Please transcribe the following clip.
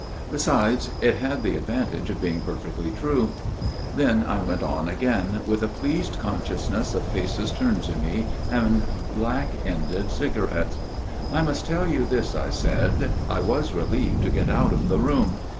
Besides, it had the advantage of being perfectly true. Then I went on again, with a pleased consciousness of faces turned to me and black ended cigarettes. " I must tell you this," I said" I was relieved to get out of the room.